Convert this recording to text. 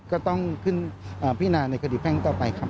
ก็ต้องขึ้นพินาในคดีแพ่งต่อไปครับ